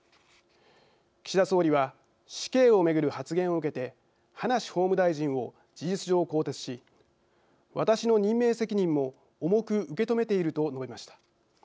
岸田総理は死刑を巡る発言を受けて葉梨法務大臣を事実上、更迭し「私の任命責任も重く受け止めている」と述べました。